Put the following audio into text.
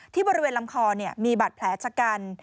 บริเวณลำคอมีบาดแผลชะกัน